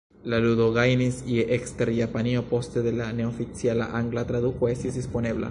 La ludo gajnis jeno ekster Japanio poste de la neoficiala angla traduko estis disponebla.